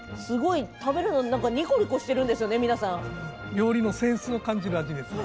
料理のセンスの感じる味ですね。